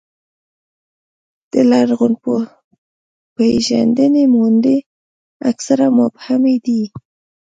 د لرغونپېژندنې موندنې اکثره مبهمې دي.